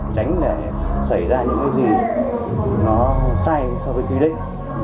tránh để xảy ra những cái gì nó sai so với quy định